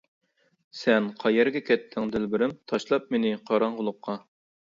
سەن قەيەرگە كەتتىڭ دىلبىرىم، تاشلاپ مېنى قاراڭغۇلۇققا.